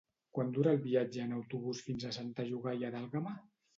Quant dura el viatge en autobús fins a Santa Llogaia d'Àlguema?